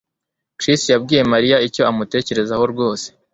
Chris yabwiye Mariya icyo amutekerezaho rwose